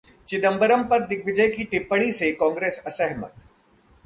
चिदंबरम पर दिग्विजय की टिप्पणी से कांग्रेस असहमत